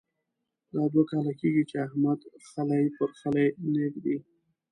دا دوه کاله کېږې چې احمد خلی پر خلي نه اېږدي.